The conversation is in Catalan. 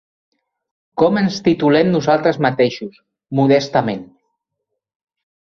Com ens titulem nosaltres mateixos, modestament.